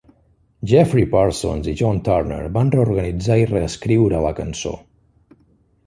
Geoffrey Parsons i John Turner van reorganitzar i reescriure la cançó.